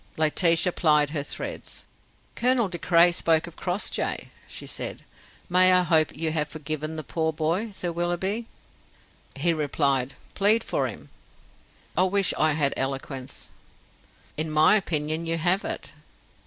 Laetitia plied her threads. "Colonel De Craye spoke of Crossjay," she said. "May I hope you have forgiven the poor boy, Sir Willoughby?" He replied: "Plead for him." "I wish I had eloquence." "In my opinion you have it."